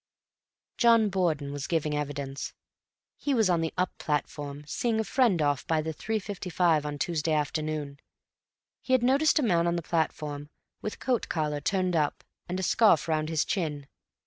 John Borden was giving evidence. He was on the up platform seeing a friend off by the 3.55 on Tuesday afternoon. He had noticed a man on the platform with coat collar turned up and a scarf round his chin.